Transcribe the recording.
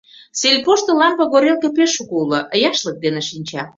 Сельпошто лампе горелке пеш шуко уло, яшлык дене шинча.